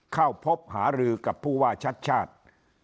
เข้าพบหารือกับผู้ว่าชัดชาติ